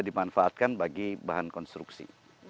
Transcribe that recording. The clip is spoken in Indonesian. dimanfaatkan bagi bahan konstruksi